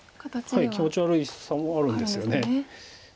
はい気持ち悪さもあるんですよね。